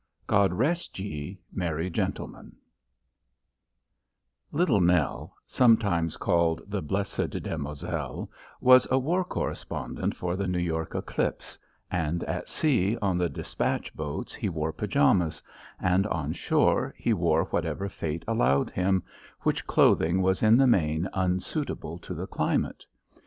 GOD REST YE, MERRY GENTLEMEN Little Nell, sometimes called the Blessed Damosel, was a war correspondent for the New York Eclipse, and at sea on the despatch boats he wore pajamas, and on shore he wore whatever fate allowed him, which clothing was in the main unsuitable to the climate.